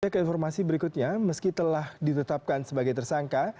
sebagai informasi berikutnya meski telah ditetapkan sebagai tersangka